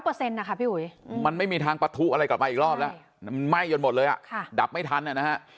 คือ๑๐๐นะคะพี่หุยมันไม่มีทางปะทุอะไรกลับมาอีกรอบแล้วมันไหม้ยนต์หมดเลยดับไม่ทัน